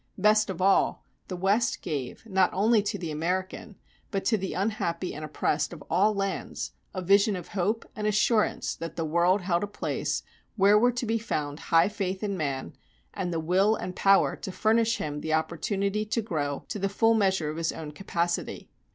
Best of all, the West gave, not only to the American, but to the unhappy and oppressed of all lands, a vision of hope, and assurance that the world held a place where were to be found high faith in man and the will and power to furnish him the opportunity to grow to the full measure of his own capacity.